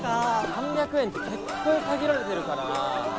３００円って結構限られてるからな。